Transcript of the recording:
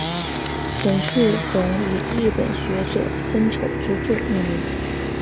本树种以日本学者森丑之助命名。